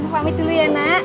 pamit dulu ya nak